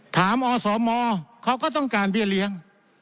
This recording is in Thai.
อสมเขาก็ต้องการเบี้ยเลี้ยง